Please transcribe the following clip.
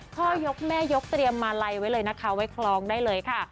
พ่อยกแม่ยกเตรียมมาลัยไว้เลยนะคะไว้คล้องได้เลยค่ะ